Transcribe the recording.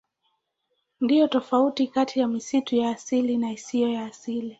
Ndiyo tofauti kati ya misitu ya asili na isiyo ya asili.